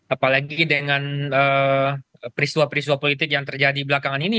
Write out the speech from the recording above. apalagi dengan peristiwa peristiwa politik yang terjadi belakangan ini